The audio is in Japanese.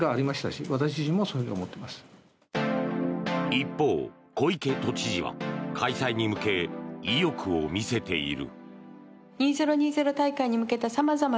一方、小池都知事は開催に向け、意欲を見せている。